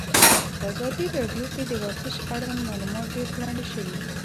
په ازادي راډیو کې د ورزش اړوند معلومات ډېر وړاندې شوي.